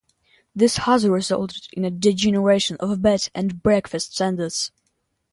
This has resulted in a degeneration of bed and breakfast standards.